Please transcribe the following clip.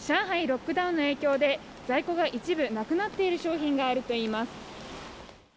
ロックダウンの影響で在庫が一部なくなっている商品があるといいます。